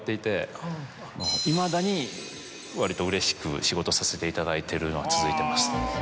いまだに割とうれしく仕事させていただいているのは続いてます。